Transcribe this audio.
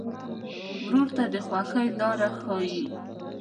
ورور ته د خوښۍ لاره ښيي.